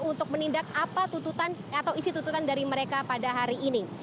untuk menindak apa tuntutan atau isi tututan dari mereka pada hari ini